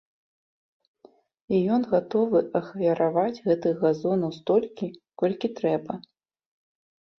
І ён гатовы ахвяраваць гэтых газонаў столькі, колькі трэба.